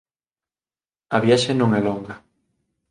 A viaxe non é longa